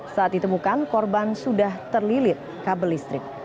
saat ditemukan korban sudah terlilit kabel listrik